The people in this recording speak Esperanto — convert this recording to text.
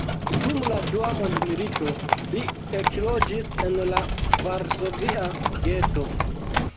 Dum la dua mondmilito li ekloĝis en la varsovia geto.